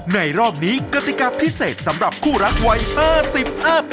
รอบนี้กติกาพิเศษสำหรับคู่รักวัย๕๐